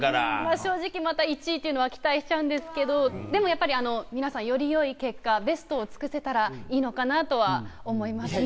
正直、また１位というのは期待しちゃうんですけど、でもやっぱり、皆さんよりよい結果、ベストを尽くせたらいいのかなとは思いますね。